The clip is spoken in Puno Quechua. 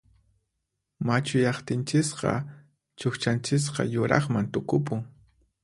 Machuyaqtinchisqa chuqchanchisqa yuraqman tukupun.